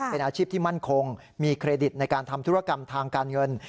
เป็นอาชีพที่มั่นคงมีเครดิตในการทำธุรกรรมทางการเงิน